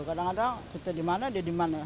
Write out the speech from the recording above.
kadang kadang kita dimana dia dimana